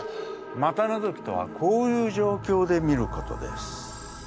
股のぞきとはこういう状況で見ることです。